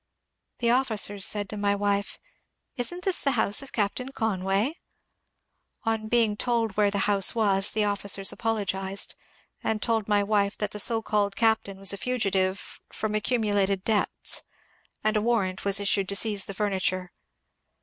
The officers said to my wife, '^ Isn't this the house of Captain Conway ?" On being told where the house was the officers apologized, and told my wife that the so called captain was a fugitive from accumu lated debts, and a warrant was issued to seize the furniture.